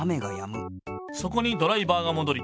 そこにドライバーがもどり。